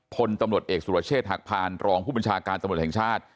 พลตำรวจเอกสุรเชษฐหักพานรองผู้บัญชาการตำรวจแห่งชาติ